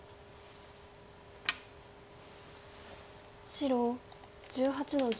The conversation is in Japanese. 白１８の十。